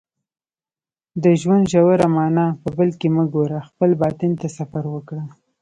د ژوند ژوره معنا په بل کې مه ګوره خپل باطن ته سفر وکړه